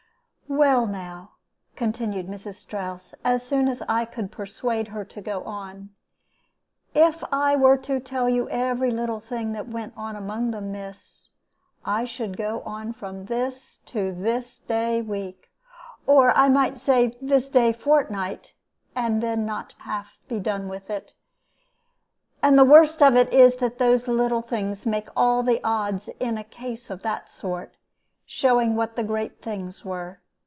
"Well, now," continued Mrs. Strouss, as soon as I could persuade her to go on, "if I were to tell you every little thing that went on among them, miss, I should go on from this to this day week, or I might say this day fortnight, and then not half be done with it. And the worst of it is that those little things make all the odds in a case of that sort, showing what the great things were.